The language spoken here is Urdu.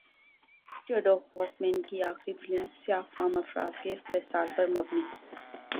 چیڈوک بوسمین کی اخری فلم سیاہ فام افراد کے استحصال پر مبنی